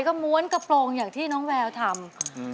ก็ม้วนกระโปรงอย่างที่น้องแววทำ